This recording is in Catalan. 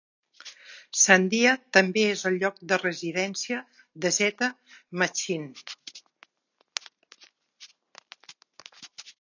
Sandia també és el lloc de residència de Z Machine.